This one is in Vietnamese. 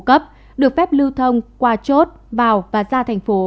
công an tp hcm được phép lưu thông qua chốt vào và ra thành phố